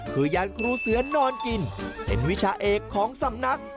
คือยานครูเสือนอนกินเป็นวิชาเอกของสำนัก